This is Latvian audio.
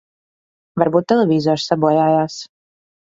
Varbūt televizors sabojājās.